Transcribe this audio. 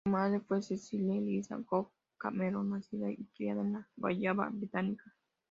Su madre fue Cecilia Eliza Cowan Cameron, nacida y criada en la Guayana Británica.